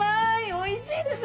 おいしいです。